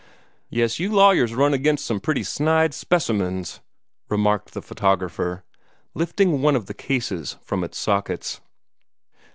"Yes, you lawyers must run against some pretty snide specimens," remarked the photographer, lifting one of the cases from its sockets.